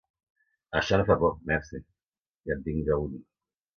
Això no fa por, merci, ja en tinc jo un.